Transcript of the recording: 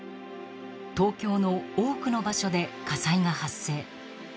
東京の多くの場所で火災が発生。